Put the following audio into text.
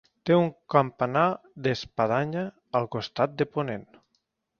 Té un campanar d'espadanya al costat de ponent.